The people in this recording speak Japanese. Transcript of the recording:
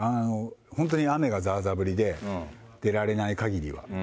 本当に雨がざーざー降りで、出られないかぎりは。